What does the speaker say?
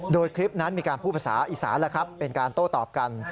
โดยคลิปนั้นมีการพูดภาษาอีสานแล้วครับเป็นการโต้ตอบกัน